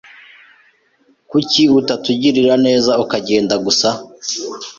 Kuki utatugirira neza ukagenda gusa?